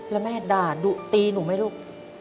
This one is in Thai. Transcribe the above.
แล้วแม่ด่าดุตีหนูไหมลูก